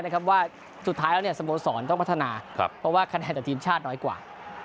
เพราะว่าสมสรรค์ต้องพัฒนาเพราะว่าคะแนนจากทีมชาติน้อยกว่า